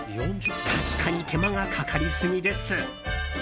確かに手間がかかりすぎです。